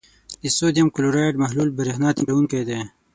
د سوډیم کلورایډ محلول برېښنا تیروونکی دی.